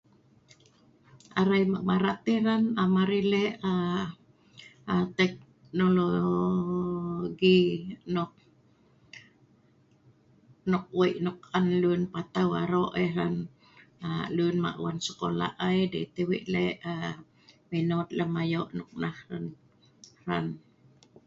Arai maq marat ai hran am arai le’ ah…ah …tek noo loo gi nok nok wei nok an luen patau aroq ai hran ah… luen nok wan sekola ai dei tah wei le’ menot lem ayo’ nok nah hran hran